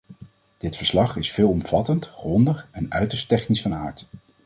Dit verslag is veelomvattend, grondig en uiterst technisch van aard.